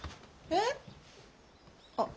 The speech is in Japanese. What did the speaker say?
えっ？